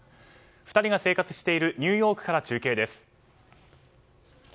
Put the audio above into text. ２人が生活しているニューヨークから中継です。